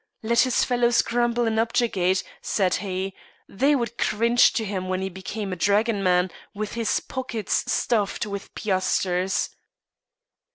Let his fellows grumble and objurgate, said he; they would cringe to him when he became a dragoman, with his pockets stuffed with piastres.